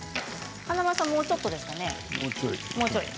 華丸さんはもうちょっとですね。